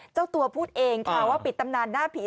เจ้าตัวพูดเองค่ะว่าปิดตำนานหน้าผี